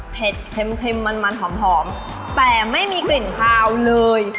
เผ็ดเค็มเค็มมันมันหอมหอมแต่ไม่มีกลิ่นพราวเลย